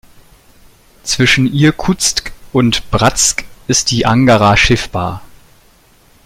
Zwischen Irkutsk und Bratsk ist die Angara schiffbar.